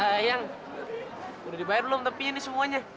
ayang udah dibayar belum tepinya nih semuanya